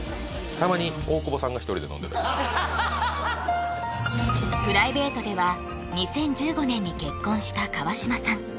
たまにプライベートでは２０１５年に結婚した川島さん